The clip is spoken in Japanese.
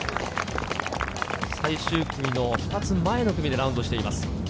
最終組の２つ前の組でラウンドしています。